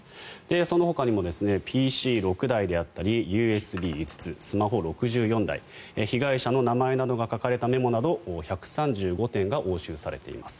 そのほかにＰＣ６台であったりＵＳＢ５つスマホ６４台被害者の名前などが書かれたメモなど１３５点が押収されています。